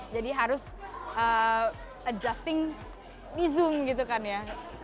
jadi harus adjusting di zoom gitu kan ya